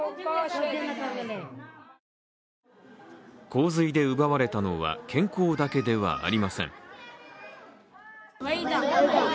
洪水で奪われたのは健康だけではありません。